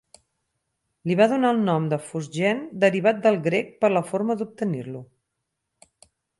Li va donar el nom de fosgen derivat del grec per la forma d'obtenir-lo.